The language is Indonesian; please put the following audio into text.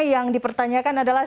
yang dipertanyakan adalah